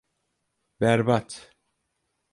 Berbat.